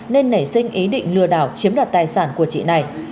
nên nảy sinh ý định lừa đảo chiếm đoạt tài sản của chị này